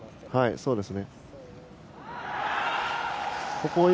そうですね。